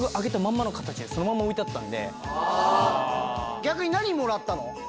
逆に何もらったの？